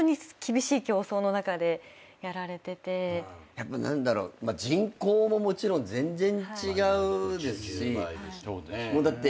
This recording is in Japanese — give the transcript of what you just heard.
やっぱ何だろう人口ももちろん全然違うですしもうだって。